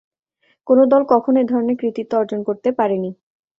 কোনো দল কখনো এ ধরনের কৃতিত্ব অর্জন করতে পারেনি।